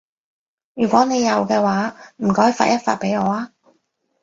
如果你有嘅話，唔該發一發畀我啊